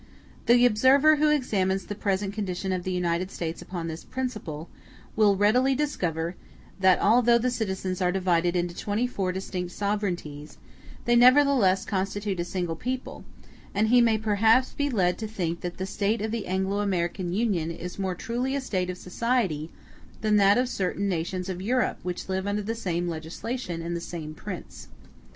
The observer who examines the present condition of the United States upon this principle, will readily discover, that although the citizens are divided into twenty four distinct sovereignties, they nevertheless constitute a single people; and he may perhaps be led to think that the state of the Anglo American Union is more truly a state of society than that of certain nations of Europe which live under the same legislation and the same prince.